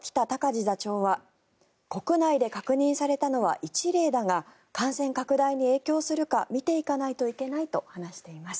字座長は国内で確認されたのは１例だが感染拡大に影響するか見ていかないといけないと話しています。